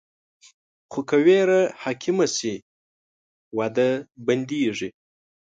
خو که ویره حاکمه شي، وده بندېږي.